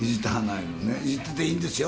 いじってていいんですよ。